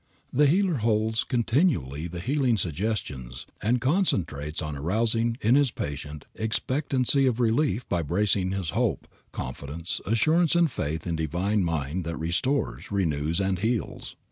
The healer holds continually the healing suggestions, and concentrates on arousing in his patient expectancy of relief by bracing his hope, confidence, assurance and faith in Divine Mind that restores, renews and heals.